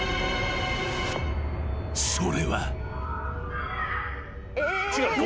［それは］